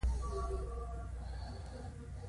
د غزل ادبي او احساساتي فلسفه